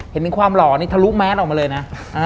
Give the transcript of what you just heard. เห็นถึงความหล่อนี่ทะลุแมสออกมาเลยนะ